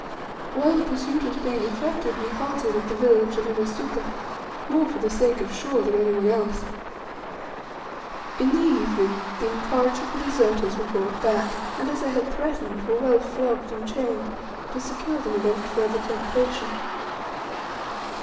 While the pursuit was being effected we halted at the village of Inesuka, more for the sake of Shaw than any one else. In the evening the incorrigible deserters were brought back, and, as I had threatened, were well flogged and chained, to secure them against further temptation.